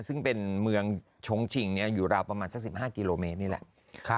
ซึ่งเป็นเมืองชงชิงอยู่ราวประมาณสัก๑๕กิโลเมตรนี่แหละ